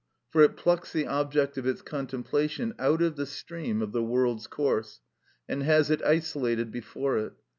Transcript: For it plucks the object of its contemplation out of the stream of the world's course, and has it isolated before it.